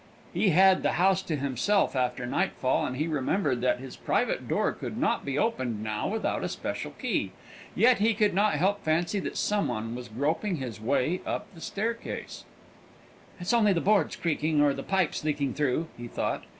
He had the house to himself after nightfall, and he remembered that his private door could not be opened now without a special key; yet he could not help a fancy that some one was groping his way up the staircase outside. "It's only the boards creaking, or the pipes leaking through," he thought.